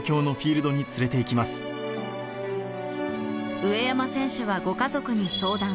上山選手はご家族に相談。